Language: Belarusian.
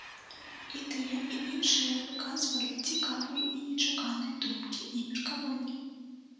І тыя, і іншыя выказвалі цікавыя і нечаканыя думкі і меркаванні.